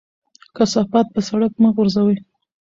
کثافات په سړک مه غورځوئ.